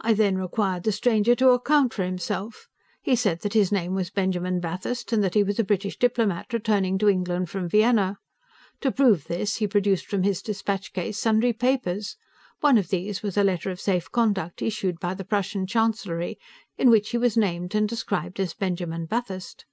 I then required the stranger to account for himself. He said that his name was Benjamin Bathurst, and that he was a British diplomat, returning to England from Vienna. To prove this, he produced from his dispatch case sundry papers. One of these was a letter of safe conduct, issued by the Prussian Chancellery, in which he was named and described as Benjamin Bathurst.